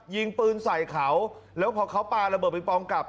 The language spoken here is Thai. ยิงปืนใส่เขาแล้วพอเขาปลาระเบิดปิงปองกลับ